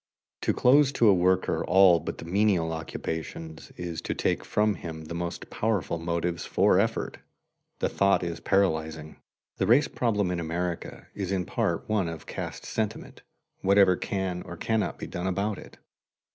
To close to a worker all but the menial occupations is to take from him the most powerful motives for effort. The thought is paralyzing. The race problem in America is in part one of caste sentiment, whatever can or cannot be done about it.